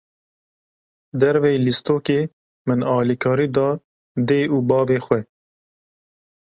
Derveyî lîstokê, min alîkarî da dê û bavê xwe.